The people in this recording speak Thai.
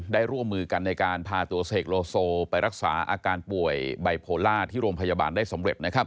ร่วมมือกันในการพาตัวเสกโลโซไปรักษาอาการป่วยไบโพล่าที่โรงพยาบาลได้สำเร็จนะครับ